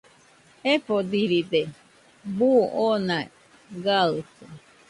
Jefodiride, buu oona gaɨte